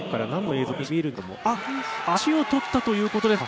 足を取ったということですか。